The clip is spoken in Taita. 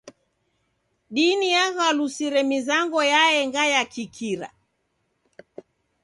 Dini yaghalusire mizango yaenga ya kikira.